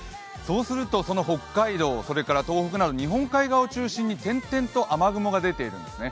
その北海道、東北など日本海側を中心に点々と雨雲が出ているんですね。